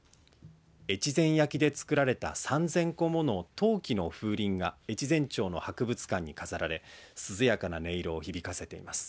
越前焼でつくられた３０００個もの陶器の風鈴が越前町の博物館に飾られ涼やかな音色を響かせています。